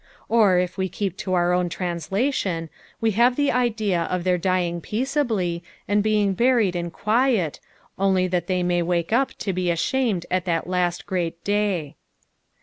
Or if we keep to our own translation, we have the idea of their djing peaceably, and being buried in quiet, only that they may wake up to be ashamed at the last great day.